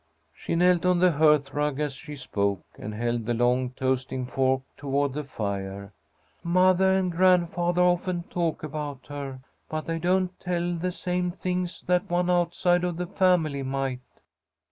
She knelt on the hearth rug as she spoke, and held the long toasting fork toward the fire. "Mothah and grandfathah often talk about her, but they don't tell the same things that one outside of the family might."